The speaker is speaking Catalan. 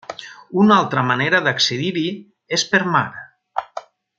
Una altra manera d'accedir-hi és per mar.